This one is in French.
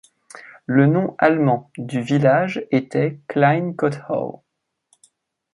Le nom allemand du village était Klein Kothau.